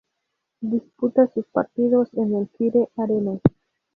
Disputa sus partidos en el "Fire Arena".